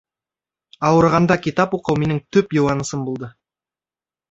Ауырығанда китап уҡыу минең төп йыуанысым булды